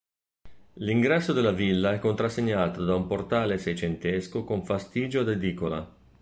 L'ingresso della villa è contrassegnato da un portale seicentesco con fastigio ad edicola.